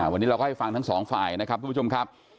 วันนี้เราก็ให้ฟังทั้งสองฝ่ายนะครับทุกผู้ชมครับ